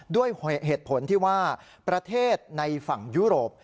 ด้วยเหตุผลที่ว่าประเทศในฝั่งยุโรป